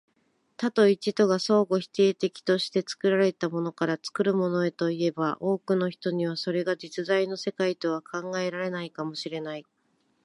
多と一とが相互否定的として、作られたものから作るものへといえば、多くの人にはそれが実在の世界とは考えられないかも知れない。